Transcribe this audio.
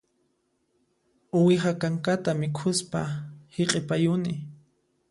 Uwiha kankata mikhuspa hiq'ipayuni